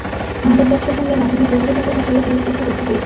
মাদক ব্যবসার সঙ্গে নাজিমের জড়িত থাকার বিষয়ে পুলিশ কিছু তথ্য পেয়েছে।